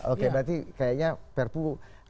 oke berarti kayaknya prpu